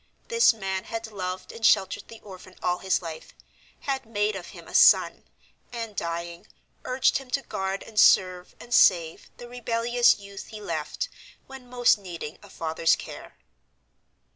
This man had loved and sheltered the orphan all his life, had made of him a son, and, dying, urged him to guard and serve and save the rebellious youth he left, when most needing a father's care.